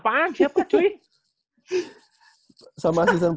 jangan sebutin lah udah jangan jangan